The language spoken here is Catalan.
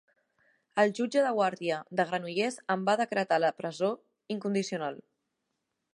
El jutge de guàrdia de Granollers en va decretar la presó incondicional.